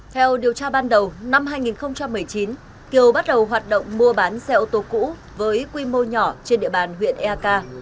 theo điều tra ban đầu năm hai nghìn một mươi chín kiều bắt đầu hoạt động mua bán xe ô tô cũ với quy mô nhỏ trên địa bàn huyện eak